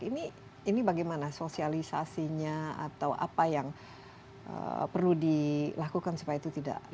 ini bagaimana sosialisasinya atau apa yang perlu dilakukan supaya itu tidak